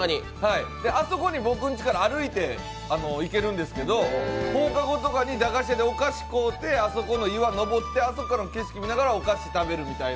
あそこに僕の家から歩いて行けるんですけど放課後とかに駄菓子屋でお菓子を買うてあそこからの景色見ながらお菓子食べるみたいな。